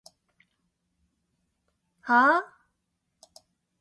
はぁ？